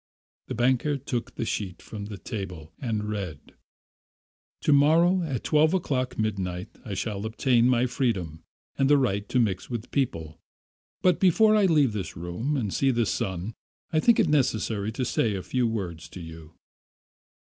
The banker took the sheet from the table and read: "To morrow at twelve o'clock midnight, I shall obtain my freedom and the right to mix with people. But before I leave this room and see the sun I think it necessary to say a few words to you.